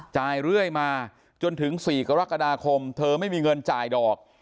จ่ายเรื่อยมาจนถึง๔กรกฎาคมเธอไม่มีเงินจ่ายดอก